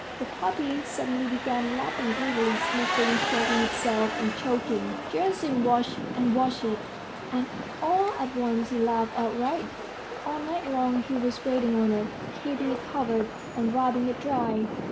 The pup suddenly began lapping greedily, sniffing, shaking itself, and choking. Gerasim watched and watched it, and all at once he laughed outright. ... All night long he was waiting on it, keeping it covered, and rubbing it dry.